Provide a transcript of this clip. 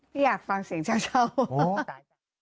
พี่อยากฟังเสียงเฉียว